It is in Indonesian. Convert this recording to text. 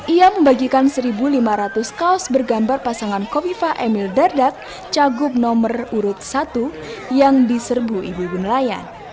ia membagikan satu lima ratus kaos bergambar pasangan kofifa emil dardak cagup nomor urut satu yang diserbu ibu ibu nelayan